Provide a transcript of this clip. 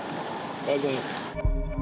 ありがとうございます。